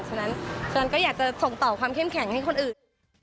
ฉะนั้นฉันก็อยากจะส่งต่อความเข้มแข็งให้คนอื่น